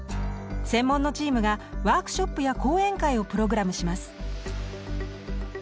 専門のチームがワークショップや講演会をプログラムします。